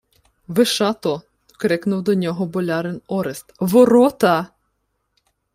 — Вишато! — крикнув до нього болярин Орест. — Ворота-а!..